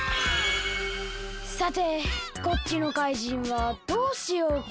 さてこっちのかいじんはどうしようか？